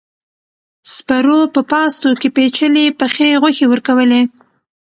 سپرو په پاستو کې پيچلې پخې غوښې ورکولې.